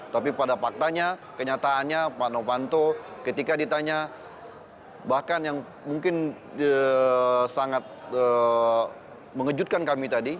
tapi pada faktanya kenyataannya pak novanto ketika ditanya bahkan yang mungkin sangat mengejutkan kami tadi